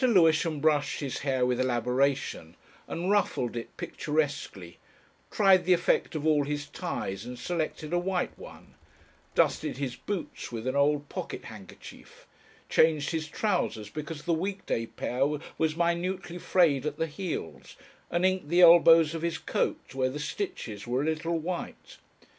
Lewisham brushed his hair with elaboration, and ruffled it picturesquely, tried the effect of all his ties and selected a white one, dusted his boots with an old pocket handkerchief, changed his trousers because the week day pair was minutely frayed at the heels, and inked the elbows of his coat where the stitches were a little white.